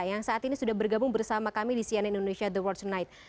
yang saat ini sudah bergabung bersama kami di cnn indonesia the world tonight